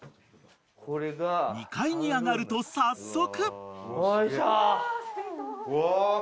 ［２階に上がると早速］